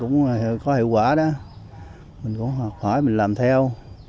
nó có hiệu quả đó mình cũng hợp hỏi mình làm theo